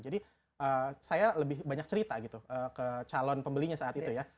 jadi saya lebih banyak cerita gitu ke calon pembelinya saat itu ya